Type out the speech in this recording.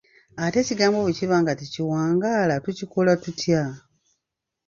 Ate ekigambo bwe kiba nga tekiwangaala, tukikola tutya?